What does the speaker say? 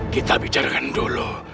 kita bicarkan dulu